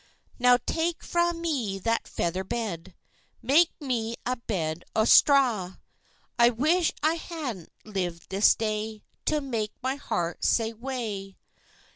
"Now take frae me that feather bed, Make me a bed of strae! I wish I hadna lived this day, To make my heart sae wae.